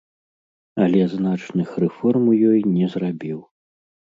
Але значных рэформ у ёй не зрабіў.